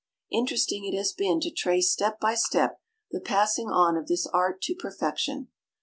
Interesting it has been to trace step by step the passing on of this art to perfection.